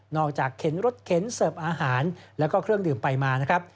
เข็นรถเข็นเสิร์ฟอาหารแล้วก็เครื่องดื่มไปมานะครับ